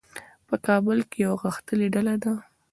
په کابل کې یوه غښتلې ډله ده.